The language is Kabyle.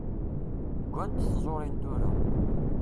Ggant tẓurin tura.